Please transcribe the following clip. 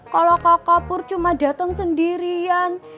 kalau kakak pur cuma datang sendirian